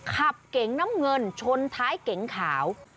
เก๋งน้ำเงินชนท้ายเก๋งขาว